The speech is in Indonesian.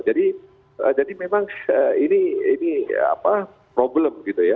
jadi jadi memang ini ini apa problem gitu ya